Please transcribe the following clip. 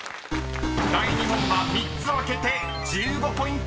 ［第２問は３つ開けて１５ポイント獲得です］